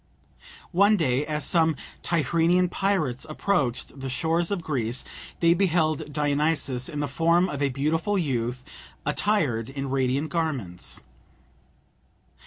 One day, as some Tyrrhenian pirates approached the shores of Greece, they beheld Dionysus, in the form of a beautiful youth, attired in radiant garments.